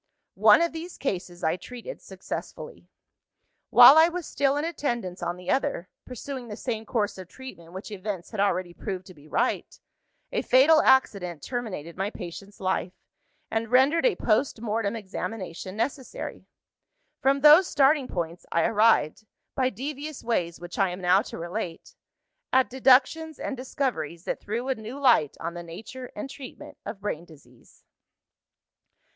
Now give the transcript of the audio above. One of these cases I treated successfully. While I was still in attendance on the other, (pursuing the same course of treatment which events had already proved to be right), a fatal accident terminated my patient's life, and rendered a post mortem examination necessary. From those starting points, I arrived by devious ways which I am now to relate at deductions and discoveries that threw a new light on the nature and treatment of brain disease."